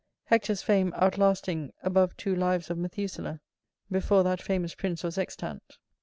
[BU] Hector's fame outlasting above two lives of Methuselah before that famous prince was extant.